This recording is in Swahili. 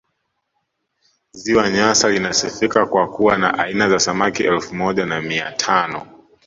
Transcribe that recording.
ziwa nyasa linasifika kwa kuwa na aina za samaki elfu moja na mia tano